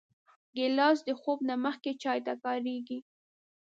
ګیلاس د خوب نه مخکې چای ته کارېږي.